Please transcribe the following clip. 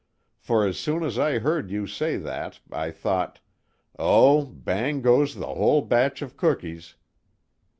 for as soon as I heard you say that, I thought, Oh, bang goes the whole batch of cookies.